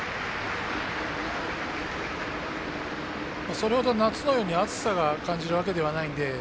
それ程、夏のように暑さを感じるわけではないので。